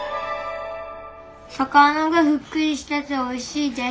魚がふっくりしてておいしいです。